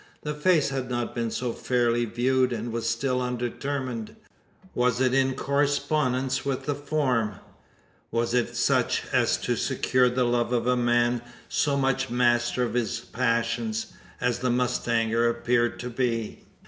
The face had not been so fairly viewed, and was still undetermined. Was it in correspondence with the form? Was it such as to secure the love of a man so much master of his passions, as the mustanger appeared to be?